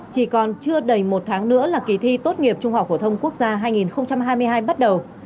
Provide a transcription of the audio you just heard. chỉ còn chưa đầy một tháng nữa là kỳ thi tốt nghiệp trung học phổ thông quốc gia hai nghìn hai mươi hai bắt đầu